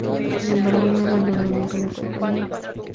Sin embargo, no abandonó nunca la Compañía.